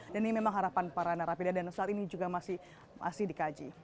dan ini memang harapan para narapidana dan saat ini juga masih dikaji